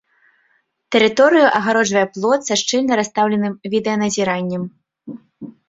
Тэрыторыю агароджвае плот са шчыльна расстаўленым відэаназіраннем.